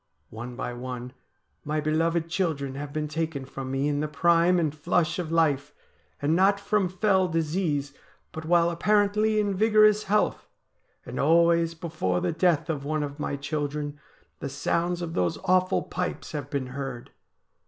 One by one my beloved children have been taken from me in the prime and flush of life, and not from fell disease, but while apparently in vigorous health ; and always before the death of one of my children the sounds of those awful pipes have been heard.'